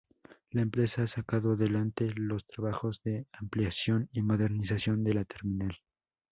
La empresa ha sacado adelante los trabajos de ampliación y modernización de la terminal.